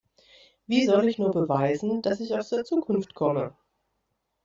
Wie soll ich nur beweisen, dass ich aus der Zukunft komme?